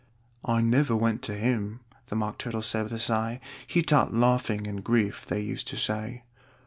"I never went to him," the Mock Turtle said with a sigh: "he taught Laughing and Grief, they used to say."